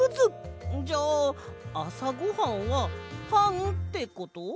じゃああさごはんはパンってこと？